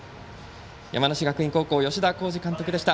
山梨学院、吉田洸二監督でした。